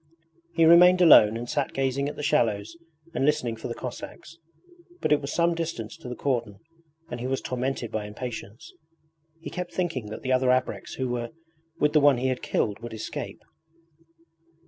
He remained alone and sat gazing at the shallows and listening for the Cossacks; but it was some distance to the cordon and he was tormented by impatience. He kept thinking that the other ABREKS who were with the one he had killed would escape.